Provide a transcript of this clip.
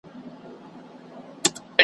په سرونو کي يې شوردی .